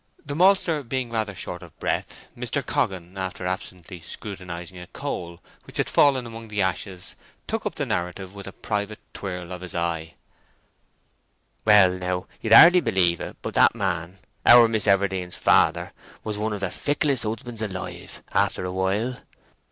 The maltster being rather short of breath, Mr. Coggan, after absently scrutinising a coal which had fallen among the ashes, took up the narrative, with a private twirl of his eye:— "Well, now, you'd hardly believe it, but that man—our Miss Everdene's father—was one of the ficklest husbands alive, after a while.